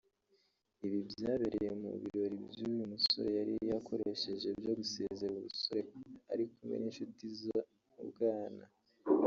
Ibi byabereye mu birori uyu musore yari yakoresheje byo gusezera ubusore ari kumwe n’inshuti zo mu bwana